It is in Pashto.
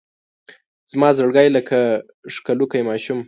زما زړګی لکه ښکلوکی ماشوم